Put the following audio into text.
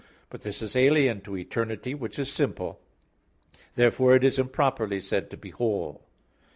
But this is alien to eternity which is simple. Therefore it is improperly said to be "whole."